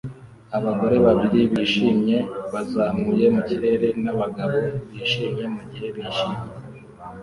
Abagore babiri bishimye bazamuye mu kirere nabagabo bishimye mugihe bishimye